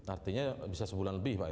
artinya bisa sebulan lebih pak